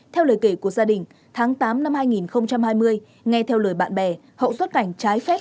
theo lời kể của gia đình tháng tám năm hai nghìn hai mươi nghe theo lời bạn bè hậu xuất cảnh trái phép